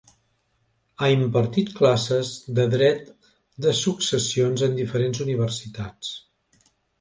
Ha impartit classes de dret de successions en diferents universitats.